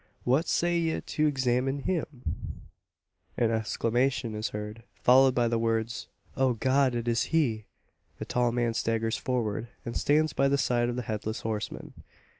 What say ye to examinin' him?" An exclamation is heard, followed by the words, "O God, it is he!" A tall man staggers forward, and stands by the side of the Headless Horseman.